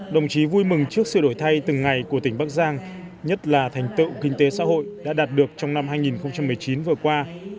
đồng chí vui mừng trước sự đổi thay từng ngày của tỉnh bắc giang nhất là thành tựu kinh tế xã hội đã đạt được trong năm hai nghìn một mươi chín vừa qua